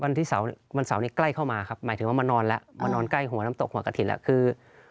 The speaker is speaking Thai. วันเสาร์นี้ใกล้เข้ามาครับหมายถึงว่ามานอนแล้วมานอนใกล้หัวน้ำตกหัวกระถิ่นแล้วคือ